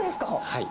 はい。